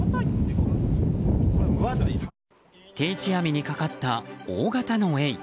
定置網にかかった大型のエイ。